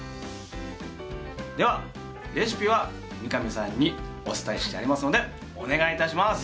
では、レシピは三上さんにお伝えしてありますのでお願い致します。